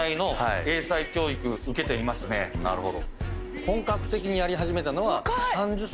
なるほど。